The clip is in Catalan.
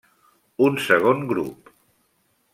Un segon grup.